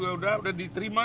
ujung pada pilihan